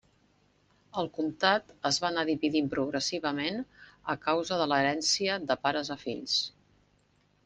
El comtat es va anar dividint progressivament a causa de l'herència de pares a fills.